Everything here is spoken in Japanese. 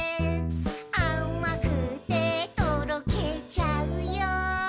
「あまくてとろけちゃうよ」